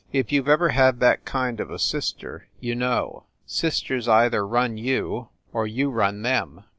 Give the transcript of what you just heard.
If you ve ever had that kind of a sister you know. Sisters either run you, or you run them.